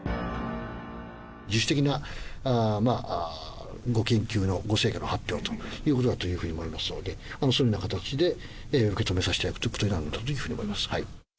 自主的なご研究のご成果の発表だというふうに思いますので、そういうふうな形で受け止めさせていただくということになるんだ